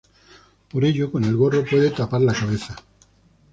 Por ello, con el gorro puede tapar la cabeza.